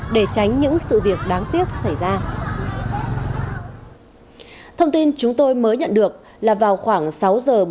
để tránh những sự việc đáng tiếc xảy ra thông tin chúng tôi mới nhận được là vào khoảng sáu h một mươi năm